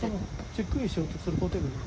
チェックインしようとするホテル。